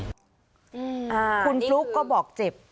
คุณฟลุ๊กก็บอกเจ็บ